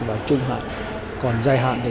và trung hạn còn dài hạn thì